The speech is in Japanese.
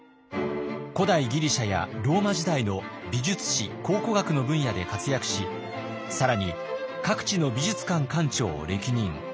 古代ギリシャやローマ時代の美術史考古学の分野で活躍し更に各地の美術館館長を歴任。